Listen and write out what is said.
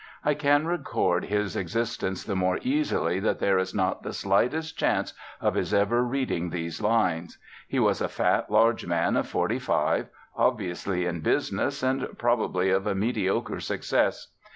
I can record his existence the more easily that there is not the slightest chance of his ever reading these lines. He was a fat, large man of forty five, obviously in business, and probably of a mediocre success.